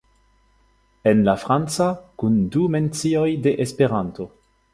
En la franca kun du mencioj de Esperanto.